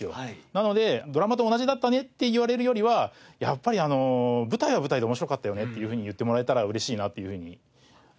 なのでドラマと同じだったねって言われるよりはやっぱり舞台は舞台で面白かったよねっていうふうに言ってもらえたら嬉しいなっていうふうに思います。